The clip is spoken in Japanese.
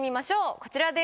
こちらです。